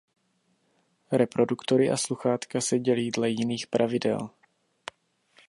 Reproduktory a sluchátka se dělí dle jiných pravidel.